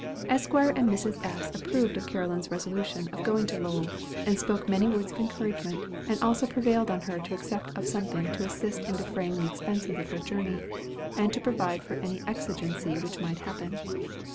Esquire and Mrs. S. approved of Caroline's resolution of going to Lowell, and spoke many words of encouragement, and also prevailed on her to accept of something to assist in defraying the expenses of her journey, and to provide for any exigency which might happen.